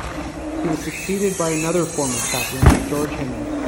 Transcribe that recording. He was succeeded by another former Chaplain, George Henry.